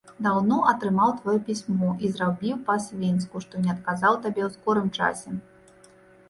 Даўно атрымаў тваё пісьмо і зрабіў па-свінску, што не адказаў табе ў скорым часе.